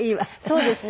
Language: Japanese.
そうですね。